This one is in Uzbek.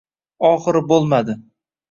Oxiri bo‘lmadi.